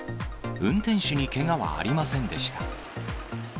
運転手にけがはありませんでした。